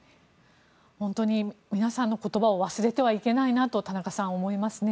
本当に皆さんの言葉を忘れてはいけないなと思います。